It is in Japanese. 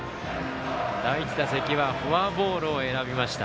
第１打席はフォアボールを選びました。